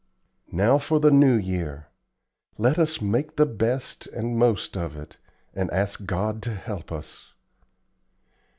"Now for the New Year. Let us make the best and most of it, and ask God to help us."